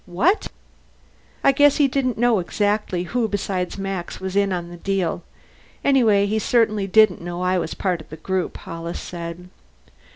"What!" "I guess he didn't know exactly who besides Max was in on the deal. Anyway, he certainly didn't know I was part of the group," Hollis said.